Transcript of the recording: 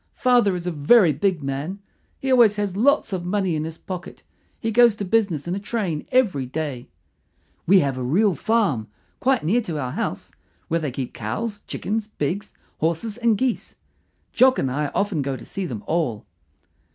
Father is a very big man. He always has lots of money in his pocket. He goes to business in a train every day. We have a real farm, quite near to our house, where they keep cows, chickens, pigs, horses, and geese. Jock and I often go to see them all.